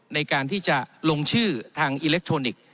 ในการที่จะลงชื่อทางอิเล็กทรอนิกส์